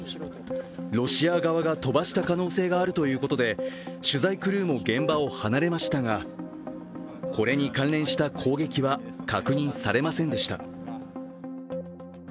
ロシア側が飛ばした可能性があるということで取材クルーも現場を離れましたが、これに関連した攻撃は確認されませんでした。